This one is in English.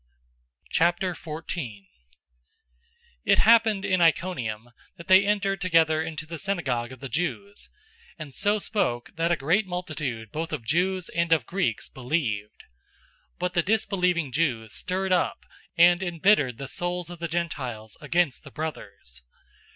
014:001 It happened in Iconium that they entered together into the synagogue of the Jews, and so spoke that a great multitude both of Jews and of Greeks believed. 014:002 But the disbelieving{or, disobedient} Jews stirred up and embittered the souls of the Gentiles against the brothers.